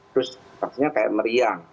terus pastinya kayak meriang